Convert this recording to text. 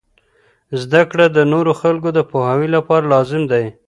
زده کړه د نورو خلکو د پوهاوي لپاره لازم دی.